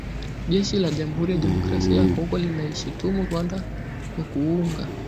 Jeshi la Jamuhuri ya Demokrasia ya Kongo linaishutumu Rwanda kwa kuunga